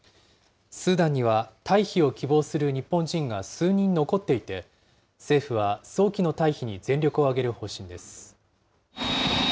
スーダンには退避を希望する日本人が数人残っていて、政府は早期の退避に全力を挙げる方針です。